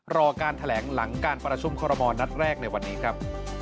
รอการแถลงหลังการประชุมคอรมณ์นัดแรกในวันนี้ครับ